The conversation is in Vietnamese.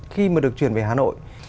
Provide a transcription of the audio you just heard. khi mà được chuyển về hà nội